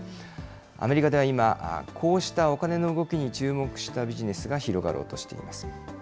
アメリカでは今、こうしたお金の動きに注目したビジネスが広がろうとしています。